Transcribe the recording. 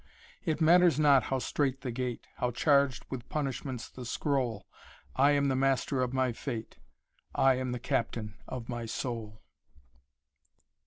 It matters not how straight the gate, How charged with punishments the scroll, I am the master of my fate, I am the captain of my soul!"